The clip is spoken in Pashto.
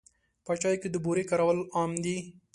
په چای کې د بوري کارول عام دي.